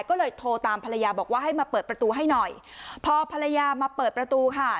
ก็เลยโทรตามภรรยาบอกว่าให้มาเปิดประตูให้หน่อยพอภรรยามาเปิดประตูค่ะ